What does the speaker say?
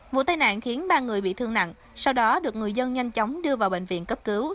vụ tai nạn khiến ba người bị thương nặng sau đó được người dân nhanh chóng đưa vào bệnh viện cấp cứu